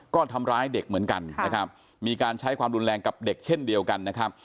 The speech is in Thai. ก็ทำร้ายเด็กเหมือนกันนะครับมีการใช้ความรุนแรงกับเด็กเช่นเดียวกันนะครับ